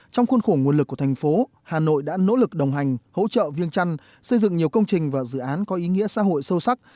trong khuôn khổ nguồn lực của thành phố hà nội đã nỗ lực đồng hành hỗ trợ viêng trăn xây dựng nhiều công trình và dự án có ý nghĩa xã hội sâu sắc